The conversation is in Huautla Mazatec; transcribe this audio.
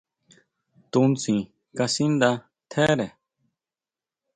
Tunsin kasindá tjere.